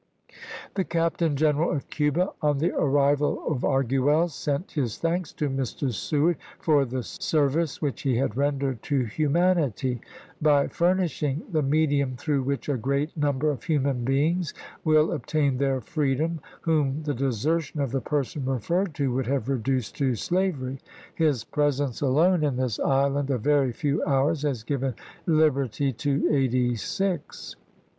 p. 355. The Captain Greneral of Cuba, on the arrival of Arguelles, sent his thanks to Mr. Seward " for the service which he has rendered to humanity by furnishing the medium through which a great number of human beings will obtain their freedom whom the desertion of the person referred to would have reduced to slavery. His presence alone in this island a very few hours has given liberty to Ma? Did!864, eighty six."